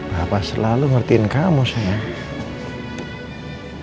papa selalu ngertiin kamu sayang